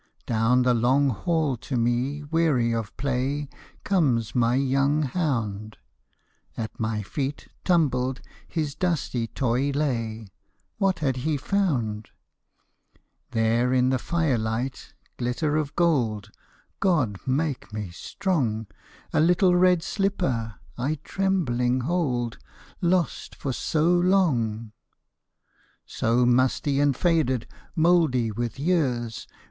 Down the long hall to me, weary of play. Comes my young hound ; At my feet, tumbled, his dusty toy lay — What had he found ? There in the firelight glitter of gold, God make me strong ! A little red slipper I trembling hold. Lost for so long. So musty and faded, mouldy with years.